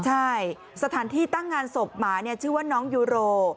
ใช่สถานที่ตั้งงานศพหมาชื่อว่าน้องยูโร